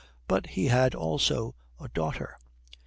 But he had also a daughter.